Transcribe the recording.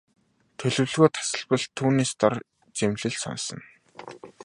Төлөвлөгөө тасалбал бид түүнээс дор зэмлэл сонсоно.